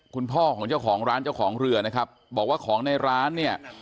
คุณพ่อของเจ้าของร้านเจ้าของเรือนะครับบอกว่าของในร้านเนี่ย